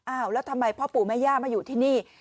แล้วทำไมพ่อปู่แม่ย่ามาอยู่ที่นี่